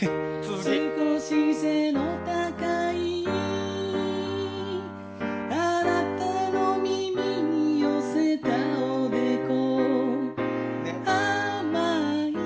「少し背の高いあなたの耳に寄せたおでこ」。